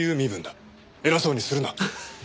偉そうにするな。